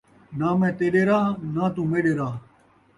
ناں میں تیݙے راہ ، ناں توں میݙے راہ